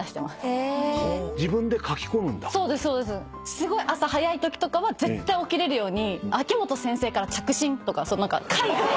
すごい朝早いときとかは絶対起きれるように「秋元先生から着信」とか書いて。